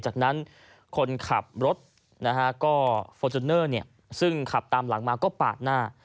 จากนั้นคนขับรถนะฮะก็ฟอร์จูเนอร์ซึ่งขับตามหลังมาก็ปาดหน้า